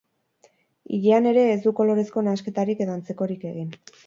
Ilean ere, ez du kolorezko nahasketarik edo antzekorik egin.